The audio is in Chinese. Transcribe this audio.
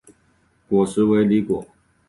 果实为离果。